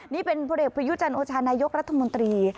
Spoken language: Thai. นี่เป็นพระเด็กพระยุจันทร์โอชานายโยครัฐมนตรี